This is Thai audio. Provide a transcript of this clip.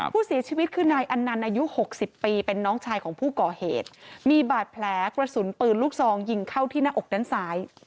ผู้เสียชีวิตคือนายอันนันต์อายุหกสิบปีเป็นน้องชายของผู้ก่อเหตุมีบาดแผลกระสุนปืนลูกซองยิงเข้าที่หน้าอกด้านซ้าย